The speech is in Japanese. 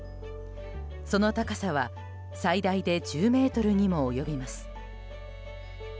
その高さは最大で１０ｍにも及びます。